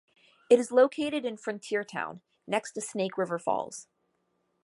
It is located in Frontiertown, next to Snake River Falls.